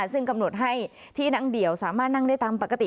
ซึ่งกำหนดให้ที่นั่งเดี่ยวสามารถนั่งได้ตามปกติ